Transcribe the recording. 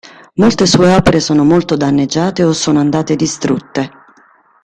Molte sue opere sono molto danneggiate o sono andate distrutte.